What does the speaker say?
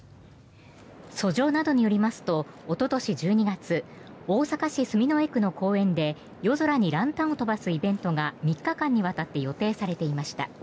訴状などによりますとおととし１２月大阪市住之江区の公園で夜空にランタンを飛ばすイベントが３日間にわたって予定されていました。